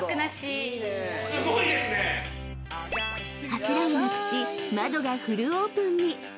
［柱をなくし窓がフルオープンに］